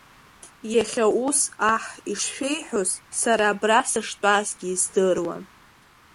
Иахьа, ус аҳ ишшәеиҳәоз, сара абра сыштәазгьы издыруан.